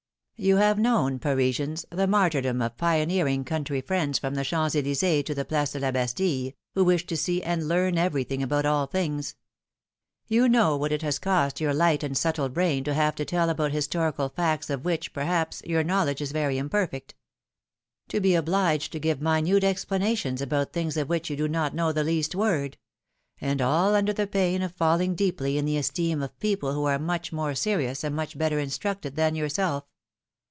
You have known, Parisians, the martyrdom of pioneer ing country friends from the Champs Elys^es to the Place de la Bastille, who wish to see and learn everything about all things. You know what it has cost your light and 210 PHILOMflNE's MARRIAGES. subtle brain to have to tell about historical facts, of which, perhaps, your knowledge is very imperfect ; to be obliged to give minute explanations about things of which you do not know the least word: and all under the pain of falling deeply in the esteem of people who are much more serious and much better instructed than yourself.